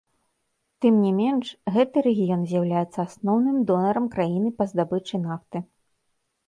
Тым не менш, гэты рэгіён з'яўляецца асноўным донарам краіны па здабычы нафты.